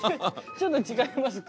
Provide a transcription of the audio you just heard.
ちょっと違いますけど。